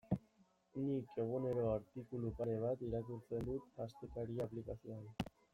Nik egunero artikulu pare bat irakurtzen dut Astekaria aplikazioan.